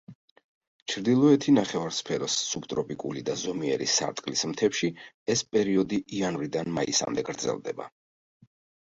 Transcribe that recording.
ჩრდილოეთი ნახევარსფეროს სუბტროპიკული და ზომიერი სარტყლის მთებში ეს პერიოდი იანვრიდან მაისამდე გრძელდება.